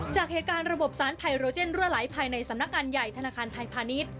จากเหตุการณ์ระบบสารไพโรเจนรั่วไหลภายในสำนักงานใหญ่ธนาคารไทยพาณิชย์